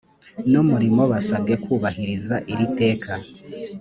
n umurimo basabwe kubahiriza iri teka